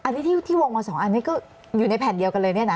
อันนี้ที่วงมา๒อันนี้ก็อยู่ในแผ่นเดียวกันเลยเนี่ยนะ